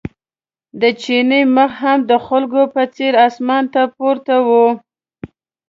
د چیني مخ هم د خلکو په څېر اسمان ته پورته و.